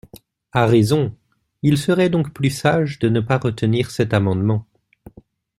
À raison ! Il serait donc plus sage de ne pas retenir cet amendement.